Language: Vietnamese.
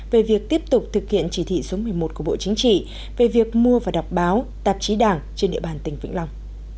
về việc tiếp tục thực hiện chỉ thị số một mươi một của bộ chính trị về việc mua và đọc báo tạp chí đảng trên địa bàn tỉnh vĩnh long